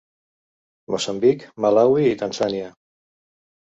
Moçambic, Malawi i Tanzània.